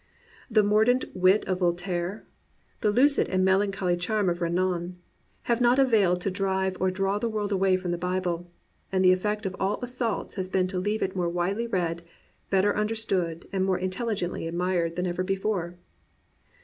The mordant wit of Voltaire, the lucid and melancholy charm of Renan, have not availed to drive or draw the world away from the Bible; and the effect of all assaults has been to leave it more widely read, bet ter understood, and more inteUigently admired than ever before.